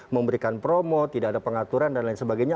memberikan promo tidak ada pengaturan dan lain sebagainya